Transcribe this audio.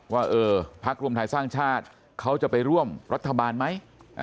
ว่าเออพักรวมไทยสร้างชาติเขาจะไปร่วมรัฐบาลไหม